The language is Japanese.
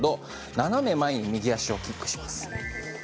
斜め前に右足をキックします。